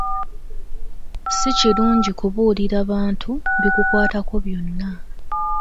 Si kirungi kubuulira bantu bikukwatako byonna.